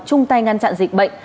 chung tay ngăn chặn dịch bệnh